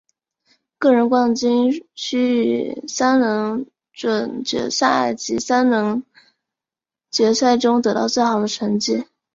个人冠军需于三轮准决赛及三轮决赛中得到最好的成绩。